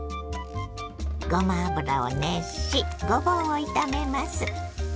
ごま油を熱しごぼうを炒めます。